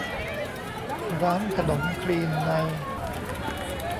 ร้านขนมคลีนใน